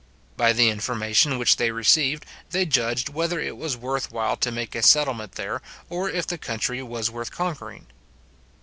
By the information which they received, they judged whether it was worth while to make a settlement there, or if the country was worth the conquering.